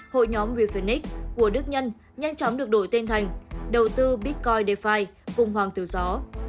hội nhóm wefenix của đức nhân nhanh chóng được đổi tên thành đầu tư bitcoin defi cùng hoàng tử gió